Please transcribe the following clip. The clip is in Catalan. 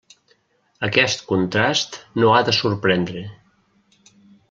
Aquest contrast no ha de sorprendre.